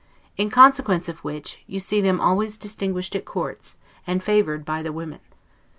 In consequence of which, you see them always distinguished at courts, and favored by the women.